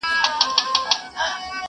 شپه او ورځ به په رنځور پوري حیران وه.!